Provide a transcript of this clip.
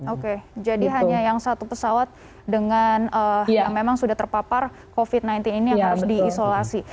oke jadi hanya yang satu pesawat dengan yang memang sudah terpapar covid sembilan belas ini yang harus diisolasi